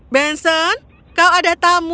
benson kau ada tamu